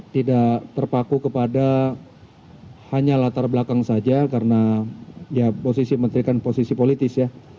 tidak terpaku kepada hanya latar belakang saja karena ya posisi menteri kan posisi politis ya